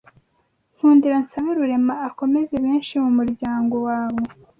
nkundira nsabe Rurema akomeze benshi mu umuryango wawe